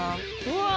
うわ！